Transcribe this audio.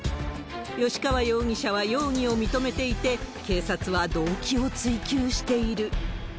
吉川容疑者は容疑を認めていて、警察は動機を追及している。